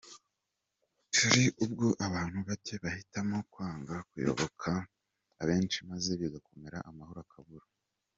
Hari ubwo abantu bake bahitamo kwanga kuyoboka abenshi maze bigakomera amahoro akabura.